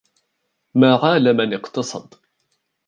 مَا عَالَ مَنْ اقْتَصَدَ